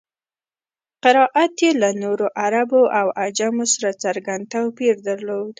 قرائت یې له نورو عربو او عجمو سره څرګند توپیر درلود.